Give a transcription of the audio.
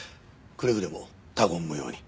くれぐれも他言無用に。